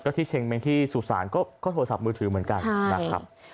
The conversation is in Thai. ที่เชงเม้งที่สุสานก็โทรศัพท์มือถือเหมือนกันนะครับ